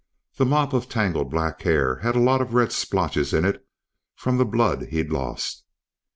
The mop of tangled black hair had a lot of red splotches in it from the blood he'd lost.